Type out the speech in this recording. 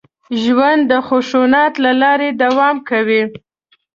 ژوند د خوځښت له لارې دوام کوي.